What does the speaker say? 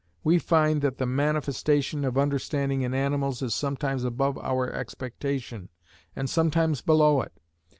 We find that the manifestation of understanding in animals is sometimes above our expectation, and sometimes below it.